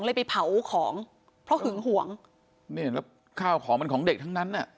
ไปเผาของเพราะหึงห่วงนี่แล้วข้าวของมันของเด็กทั้งนั้นอ่ะ